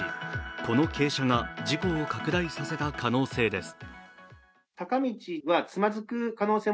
この傾斜が事故を拡大させた可能性です。